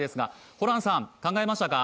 ホランさん、考えましたか？